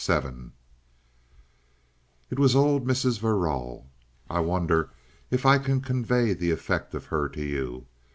§ 7 It was old Mrs. Verrall. I wonder if I can convey the effect of her to you.